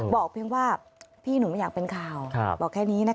เพียงว่าพี่หนูไม่อยากเป็นข่าวบอกแค่นี้นะคะ